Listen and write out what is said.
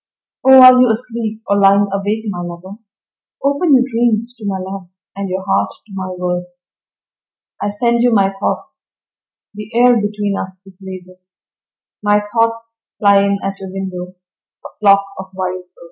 Oh are you asleep, or lying awake, my lover? Open your dreams to my love and your heart to my words. I send you my thoughts the air between us is laden, My thoughts fly in at your window, a flock of wild birds.